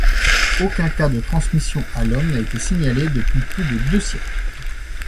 Aucun cas de transmission à l'homme n'a été signalé depuis plus de deux siècles.